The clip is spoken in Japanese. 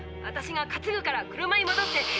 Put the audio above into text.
私がかつぐから車にもどって。